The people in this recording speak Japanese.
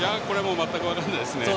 全く分からないですね。